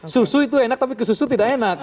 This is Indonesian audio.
susu itu enak tapi ke susu tidak enak